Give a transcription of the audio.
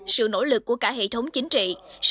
sự nỗ lực của cả hệ thống chính trị